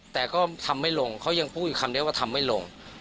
แต่ก็ทำไม่ลงเขายังพูดอีกคำเดียวว่าทำไม่ลง